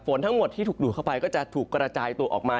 ทั้งหมดที่ถูกดูดเข้าไปก็จะถูกกระจายตัวออกมา